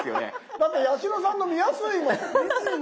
だって八代さんの見やすいもん。